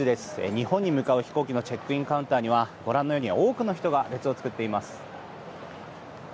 日本に向かう飛行機のチェックインカウンターにはご覧のように多くの人が列を作っています。